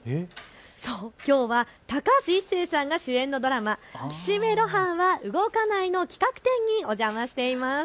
そう、きょうは高橋一生さんが主演のドラマ岸辺露伴は動かないの企画展にお邪魔しています。